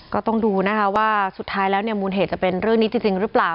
ก็ต้องดูนะคะว่าสุดท้ายแล้วเนี่ยมูลเหตุจะเป็นเรื่องนี้จริงหรือเปล่า